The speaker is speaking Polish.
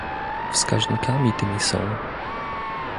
Wskaźnikami tymi są